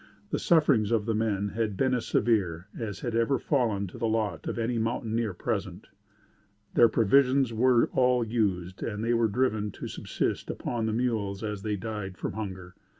The sufferings of the men had been as severe as had ever fallen to the lot of any mountaineer present. Their provisions were all used and they were driven to subsist upon the mules as they died from hunger.